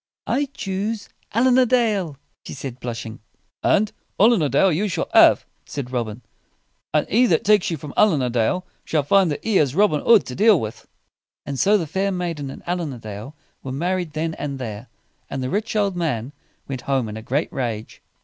"I choose Allin a Dale," she said, blushing. "And Allin a Dale you shall have," said Robin; "and he that takes you from Allin a Dale shall find that he has Robin Hood to deal with." And so the fair maiden and Allin a Dale were married then and there, and the rich old man went home in a great rage.